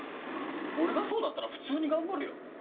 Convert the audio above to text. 俺がそうだったら普通に頑張るよ。